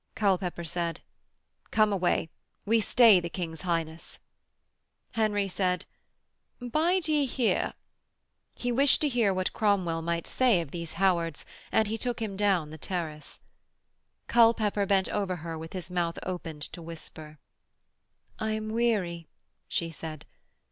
Culpepper said: 'Come away. We stay the King's Highness.' Henry said: 'Bide ye here.' He wished to hear what Cromwell might say of these Howards, and he took him down the terrace. Culpepper bent over her with his mouth opened to whisper. 'I am weary,' she said.